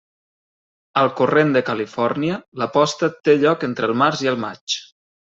Al corrent de Califòrnia, la posta té lloc entre el març i el maig.